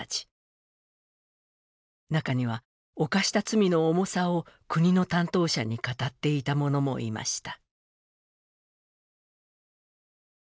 中には、犯した罪の重さを国の担当者に語っていた者もいました。